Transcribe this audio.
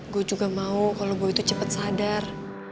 gue juga mau kalo boy tuh cepet sadar